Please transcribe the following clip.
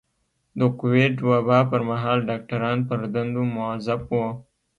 د کوويډ وبا پر مهال ډاکټران پر دندو مؤظف وو.